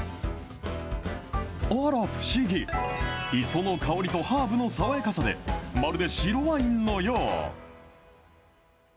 あら不思議、磯の香りとハーブの爽やかさで、まるで白ワインのよう。